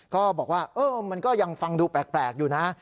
ก็บอกว่ามันก็ยังฟังดูแปลกอยู่นะ